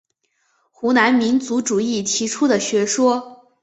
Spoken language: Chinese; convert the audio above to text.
湖南民族主义提出的学说。